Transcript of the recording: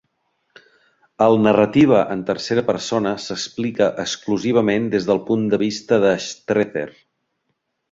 El-narrativa en tercera persona s'explica exclusivament des del punt de vista de Strether.